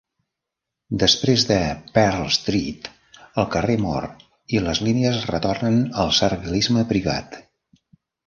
Després de Pearl Street, el carrer mor i les línies retornen al servilisme privat.